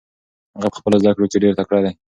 هغه په خپلو زده کړو کې ډېر تکړه دی.